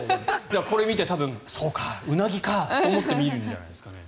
これを見てそうか、うなぎかと思って見るんじゃないですかね。